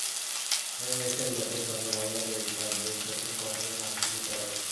আমি মেসের লোকের সঙ্গে ঝগড়া করিয়াছিলাম যে, শচীশ কখনোই নাস্তিক হইতে পারে না।